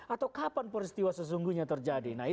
atau kapan peristiwa sesungguhnya terjadi